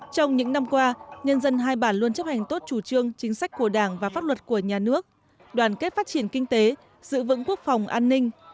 trong những năm qua nhân dân hai bản luôn chấp hành tốt chủ trương chính sách của đảng và pháp luật của nhà nước đoàn kết phát triển kinh tế giữ vững quốc phòng an ninh